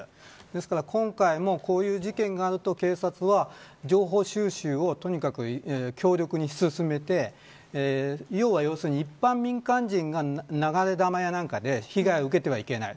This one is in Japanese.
ですから、今回もこういう事件があると警察は情報収集をとにかく強力に進めて要するに、一般民間人が流れ弾やなんかで被害を受けてはいけない。